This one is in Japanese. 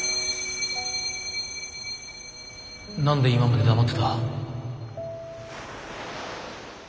何で今まで黙ってた？